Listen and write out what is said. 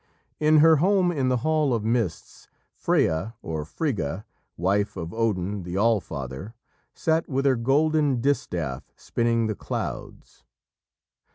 In her home in the Hall of Mists, Freya (or Frigga), wife of Odin the All Father, sat with her golden distaff spinning the clouds.